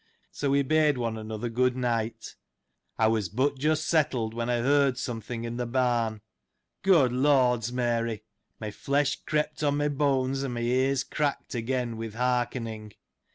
So, we bade one another good night. I was hut just settled, when I heard something in the barn. Good Lord's — Mary ! My flesh crept on my bones, and my ears cracked again, with hearkening.